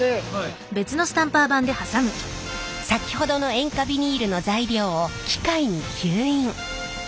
先ほどの塩化ビニールの材料を機械に吸引。